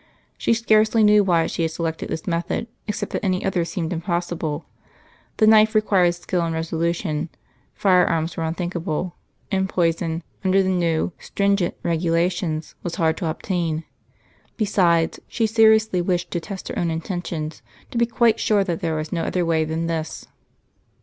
She scarcely knew why she had selected this method, except that any other seemed impossible. The knife required skill and resolution; firearms were unthinkable, and poison, under the new stringent regulations, was hard to obtain. Besides, she seriously wished to test her own intentions, and to be quite sure that there was no other way than this....